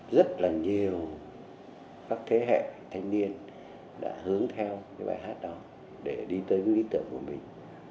rất là nhiều các thế hệ thanh niên đã hướng theo cái bài hát đó để đi tới với ý tưởng của mình